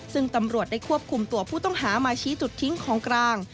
ซึ่งตำรวจได้ควบคุมตัวผู้ต้องหามาชี้จุดทิ้งของกลาง